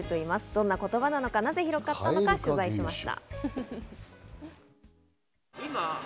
どんな言葉なのか、なぜ広がったのか取材しました。